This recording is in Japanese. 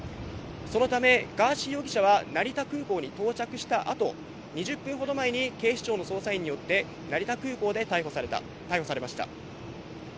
そのため、ガーシー容疑者は成田空港に到着したあと、２０分ほど前に警視庁の捜査員によって、成田空港で逮捕されました。